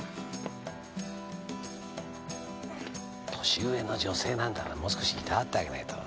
年上の女性なんだからもう少し労わってあげないと。